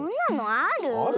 ある？